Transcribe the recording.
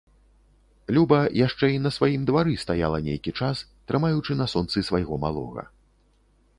Люба яшчэ і на сваім двары стаяла нейкі час, трымаючы на сонцы свайго малога.